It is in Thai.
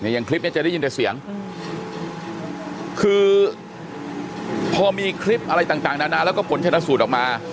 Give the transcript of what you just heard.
อย่างคลิปนี้จะได้ยินแต่เสียงคือพอมีคลิปอะไรต่างนานาแล้วก็ผลชนะสูตรออกมา